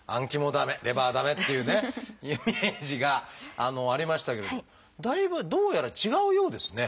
駄目レバー駄目っていうねイメージがありましたけどだいぶどうやら違うようですね。